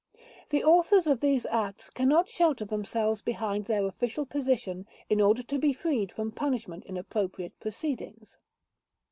The authors of these acts cannot shelter themselves behind their official position in order to be freed from punishment in appropriate proceedings.